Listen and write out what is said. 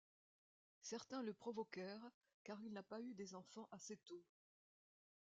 Certains le provoquèrent car il n'a pas eu des enfants assez tôt.